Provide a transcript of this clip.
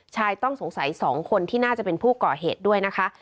ชายต้องสงสัย๒คนที่น่าจะเป็นผู้ก่อเหตุด้วยนะคะ